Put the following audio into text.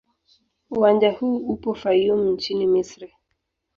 Uwanja huu upo Fayoum nchini Misri.